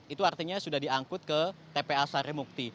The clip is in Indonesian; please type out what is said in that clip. itu artinya sudah diangkut ke tpa sarimukti